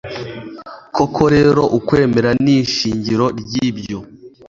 koko rero « ukwemera ni ishingiro ry'ibyo